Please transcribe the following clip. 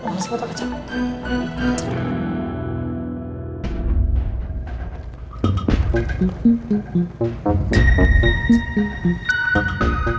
masih gue terkejut